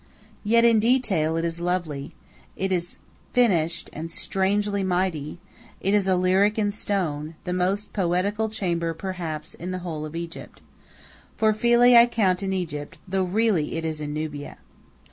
Yet in detail it is lovely; it is finished and strangely mighty; it is a lyric in stone, the most poetical chamber, perhaps, in the whole of Egypt. For Philae I count in Egypt, though really it is in Nubia.